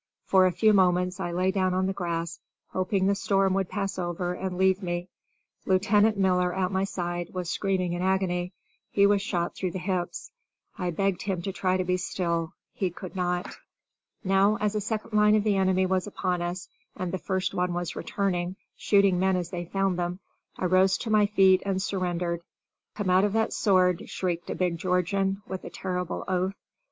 For a few moments I lay down on the grass, hoping the storm would pass over and leave me. Lieutenant Miller, at my side, was screaming in agony. He was shot through the hips. I begged him to try to be still; he could not. Now, as a second line of the enemy was upon us, and the first one was returning, shooting men as they found them, I rose to my feet and surrendered. "Come out of that sword," shrieked a big Georgian, with a terrible oath.